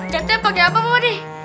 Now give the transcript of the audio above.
catnya pake apa pak wadi